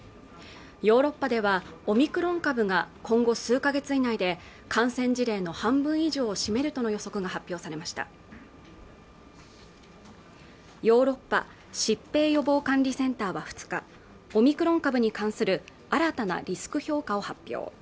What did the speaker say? ヨーロッパではオミクロン株が今後数か月以内で感染事例の半分以上を占めるとの予測が発表されましたヨーロッパ疾病予防管理センターは２日オミクロン株に関する新たなリスク評価を発表